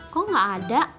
kok gak ada